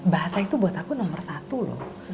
bahasa itu buat aku nomor satu loh